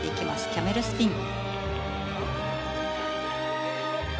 キャメルスピン。